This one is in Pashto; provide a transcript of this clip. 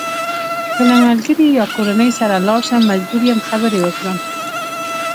که له ملګري یا کورنۍ سره لاړ شم مجبور یم خبرې وکړم.